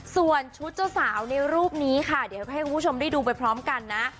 ส่วนชุดเจ้าสาวในรูปนี้ค่ะเดี๋ยวให้คุณผู้ชมได้ดูไปพร้อมกันนะ